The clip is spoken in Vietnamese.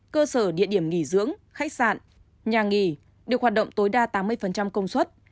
cơ sở địa điểm nghỉ dưỡng khách sạn nhà nghỉ được hoạt động tối đa tám mươi công suất